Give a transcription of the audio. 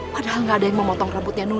padahal gak ada yang memotong rambutnya noni